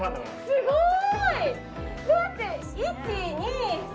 すごい！